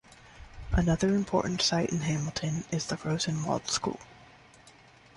Another important site in Hamilton is the Rosenwald School.